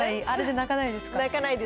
あれで泣かないですか。